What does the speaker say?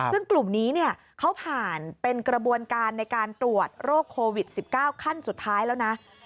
ซึ่งกลุ่มนี้เขาผ่านเป็นกระบวนการในการตรวจโรคโควิด๑๙ขั้นสุดท้ายแล้วนะ